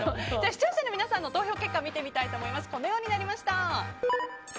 視聴者の皆さんの投票結果を見てみたいと思います。